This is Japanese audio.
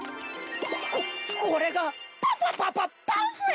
ここれがパパパパパフェ！？